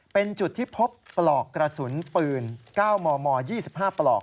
เป็นจุดที่พบปลอกกระสุนปืน๙มม๒๕ปลอก